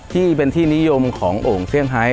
ที่เป็นที่นิยมของโอ่งเซี่ยงไฮ